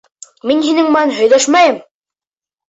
Мин һинең менән һөйләшмәйем!